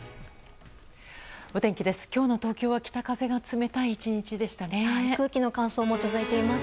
お天気です。